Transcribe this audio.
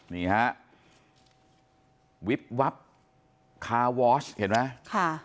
นี่ฮะวิบวับคาร์วอชเห็นมั้ย